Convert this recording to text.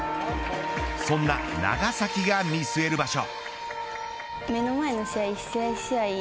そんな長崎が見据える場所。